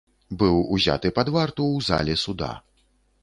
Быў узяты пад варту ў зале суда.